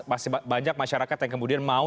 masih banyak masyarakat yang kemudian mau